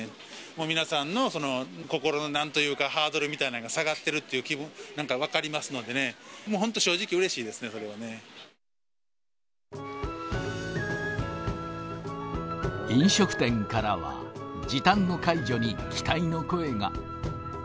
皆さんの心のなんというか、ハードルみたいなのが下がってるっていうのも、なんか分かりますのでね、もう本当に正直、うれしいですね、飲食店からは、時短の解除に期待の声が。